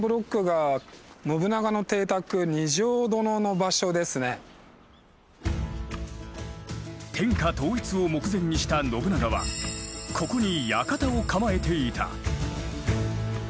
こちら天下統一を目前にした信長はここに館を構えていた。